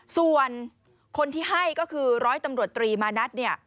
ส่วนคนที่ให้ก็คือร้อยตำรวจตรีมานัดเนี่ย